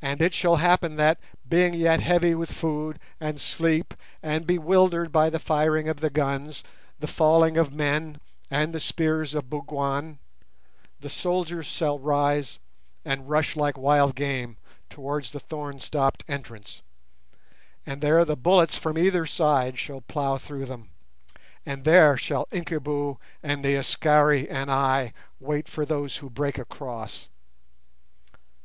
And it shall happen that, being yet heavy with food and sleep, and bewildered by the firing of the guns, the falling of men, and the spears of Bougwan, the soldiers shall rise and rush like wild game towards the thorn stopped entrance, and there the bullets from either side shall plough through them, and there shall Incubu and the Askari and I wait for those who break across.